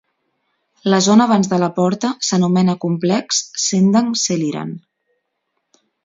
La zona abans de la porta s'anomena complex Sendang Seliran.